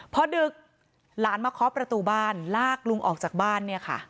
พอดึกหลานมาคอบประตูบ้านลากลุงออกจากบ้าน